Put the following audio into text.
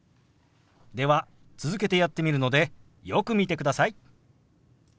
では続けてやってみるのでよく見てください。